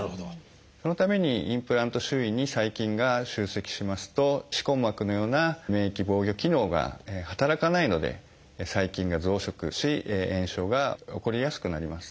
そのためにインプラント周囲に細菌が集積しますと歯根膜のような免疫防御機能が働かないので細菌が増殖し炎症が起こりやすくなります。